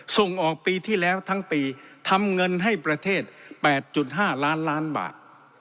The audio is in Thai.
ส่งออกปีที่แล้วทั้งปีทำเงินให้ประเทศ๘๕ล้านล้านบาท